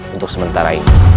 untuk sementara ini